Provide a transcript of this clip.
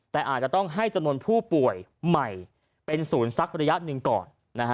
แต่อาจจะต้องให้จำนวนผู้ป่วยใหม่เป็นศูนย์สักระยะหนึ่งก่อน